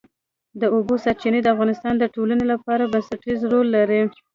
د اوبو سرچینې د افغانستان د ټولنې لپاره بنسټيز رول لري.